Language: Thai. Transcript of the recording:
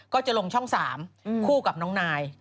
ก็จะลงช่อง๓คู่กับน้องนาย